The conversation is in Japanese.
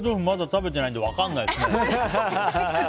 まだ食べていないので分かんないですね。